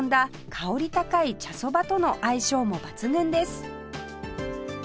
香り高い茶そばとの相性も抜群です